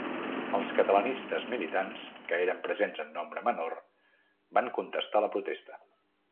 Els catalanistes militants, que eren presents en nombre menor, van contestar la protesta.